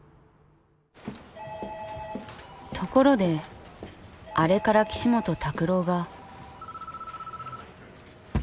ところであれから岸本拓朗が。